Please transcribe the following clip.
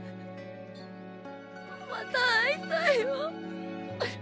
また会いたいよ。